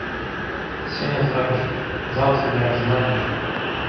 Сёння зробіш – заўтра як знойдзеш